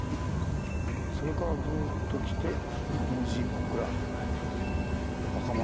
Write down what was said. それからずっときて門司小倉若松